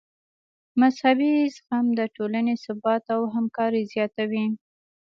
مذهبي زغم د ټولنې ثبات او همکاري زیاتوي.